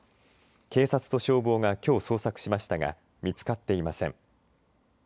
警察と消防がきょう捜索しましたが見つかっていません。